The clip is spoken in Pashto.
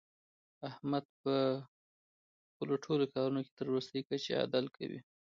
احمد په خپلو ټول کارونو کې تر ورستۍ کچې عدل کوي.